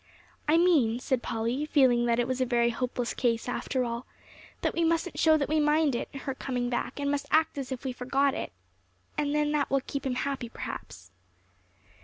"I mean," said Polly, feeling that it was a very hopeless case after all, "that we mustn't show that we mind it, her coming back, and must act as if we forgot it; and then that will keep him happy perhaps."